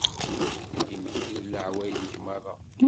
Ad d-immekti d lewɛadi-k merra.